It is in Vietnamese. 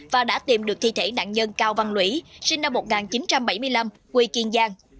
và đã tìm được thi thể nạn nhân cao văn lũy sinh năm một nghìn chín trăm bảy mươi năm quê kiên giang